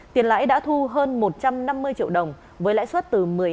tiền lãi đã thu hơn một trăm năm mươi triệu đồng với lãi suất từ một mươi hai